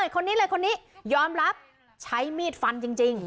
คนนี้เลยคนนี้ยอมรับใช้มีดฟันจริง